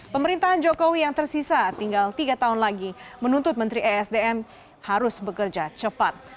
pemerintahan jokowi yang tersisa tinggal tiga tahun lagi menuntut menteri esdm harus bekerja cepat